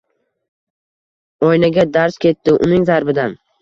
Oynaga darz ketdi uning zarbidan